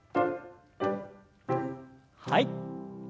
はい。